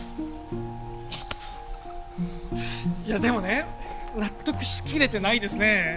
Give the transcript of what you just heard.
いやでもね納得し切れてないですね。